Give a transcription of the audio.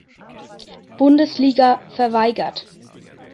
Bundesliga verweigert.